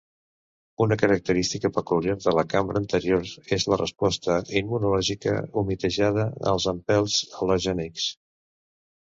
Una característica peculiar de la cambra anterior és la resposta immunològica humitejada als empelts al·logènics.